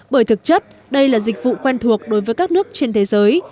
bởi thực chất đây là dịch vụ quen thuộc đối với các nước trên thế giới